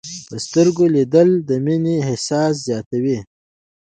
په سترګو لیدل د مینې احساس زیاتوي